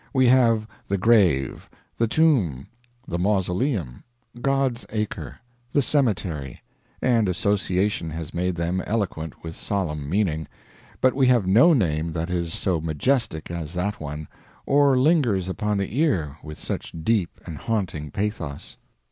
We have the Grave, the Tomb, the Mausoleum, God's Acre, the Cemetery; and association has made them eloquent with solemn meaning; but we have no name that is so majestic as that one, or lingers upon the ear with such deep and haunting pathos.